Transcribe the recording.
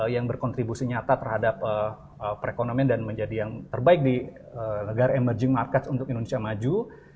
yang berkontribusi nyata terhadap perekonomian dan menjadi yang terbaik di negara emerging markets untuk indonesia maju